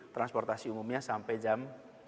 transportasi umumnya sampai jam dua puluh